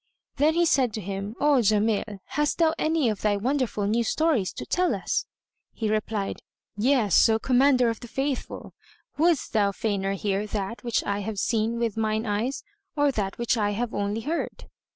Then he said to him, "O Jamil, hast thou any of thy wonderful new stories to tell us?" He replied, "Yes, O Commander of the Faithful: wouldst thou fainer hear that which I have seen with mine eyes or that which I have only heard?"